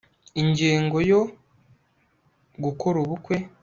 ingengo yo gukora ubukwe